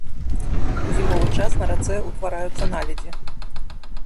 У зімовы час на рацэ ўтвараюцца наледзі.